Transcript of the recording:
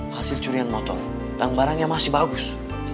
hasil curian motor tang barangnya masih bagus